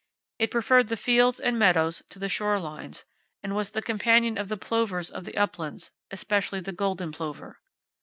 It preferred the fields and meadows to the shore lines, and was the companion of the plovers of the uplands, especially the golden plover.